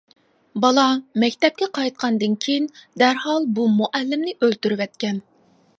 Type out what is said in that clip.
بالا مەكتەپكە قايتقاندىن كېيىن دەرھال بۇ مۇئەللىمىنى ئۆلتۈرۈۋەتكەن.